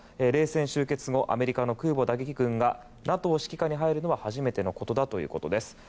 冷戦終結後アメリカの空母打撃軍がＮＡＴＯ指揮下に入るのは初めてのことだということです。